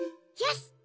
よし！